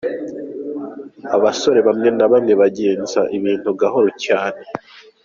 Abasore bamwe na bamwe bagenza ibintu gahoro cyane.